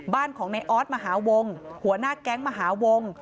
บ้านของนายอ๊อตมหาวงศ์หัวหน้าแก๊งมหาวงศ์